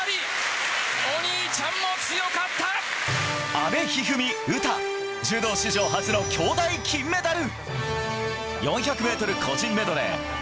阿部一二三、詩柔道史上初の兄妹金メダル！